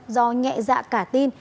do nhẹ dạ cả tin